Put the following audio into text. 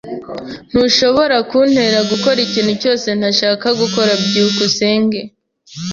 [S] Ntushobora kuntera gukora ikintu cyose ntashaka gukora. byukusenge